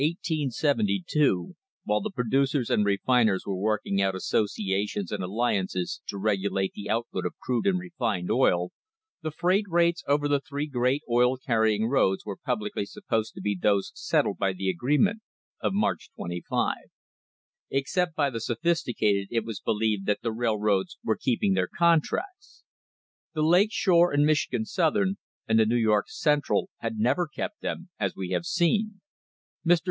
THROUGHOUT 1872, while the producers and refiners were working out associations and alliances to regulate the output of crude and refined oil, the freight rates over the three great oil carrying roads were publicly supposed to be those settled by the agreement of March 25. Except by the sophisticated it was believed that the railroads were keeping their, contracts. The Lake Shore and Michigan Southern and the New York Central had never kept them, as we have seen. Mr.